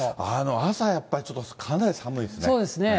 朝やっぱり、ちょっとかなりそうですね。